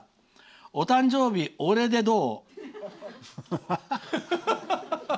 お誕生日、俺でどう？